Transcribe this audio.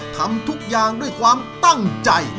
ทำทุกอย่างด้วยความตั้งใจ